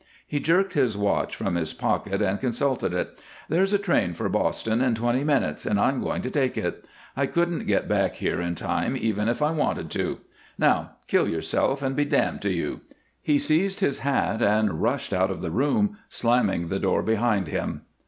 He jerked his watch from his pocket and consulted it. "There's a train for Boston in twenty minutes and I'm going to take it. I couldn't get back here in time even if I wanted to. Now, kill yourself and be damned to you." He seized his hat and rushed out of the room, slamming the door behind him.